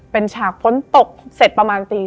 เป็นฉากพ้นตกเสร็จประมาณ๓นาที